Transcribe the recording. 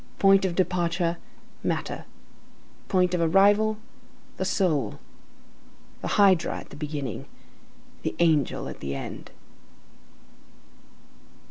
Point of departure: matter; point of arrival: the soul. The hydra at the beginning, the angel at the end.